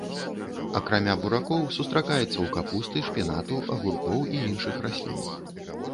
Акрамя буракоў, сустракаецца ў капусты, шпінату, агуркоў і іншых раслін.